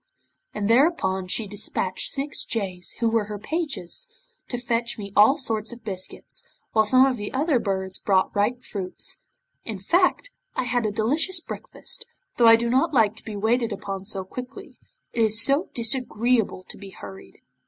'And thereupon she despatched six jays, who were her pages, to fetch me all sorts of biscuits, while some of the other birds brought ripe fruits. In fact, I had a delicious breakfast, though I do not like to be waited upon so quickly. It is so disagreeable to be hurried.